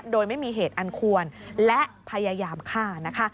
โดยไม่มีเหตุอันควรและพยายามฆ่านะคะ